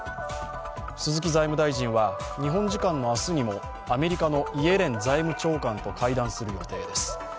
鈴木財務大臣は日本時間の明日にもアメリカのイエレン財務長官と会談する予定です。